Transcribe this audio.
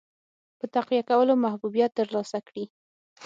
په تقویه کولو محبوبیت ترلاسه کړي.